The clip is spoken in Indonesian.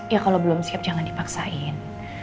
ya kalau belum siap jangan dipaksain